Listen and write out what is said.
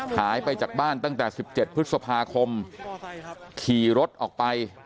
หายไปจากบ้านตั้งแต่๑๗พฤษภาคมขี่รถออกไป